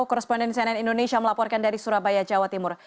korresponden cnn indonesia melaporkan dari surabaya jawa timur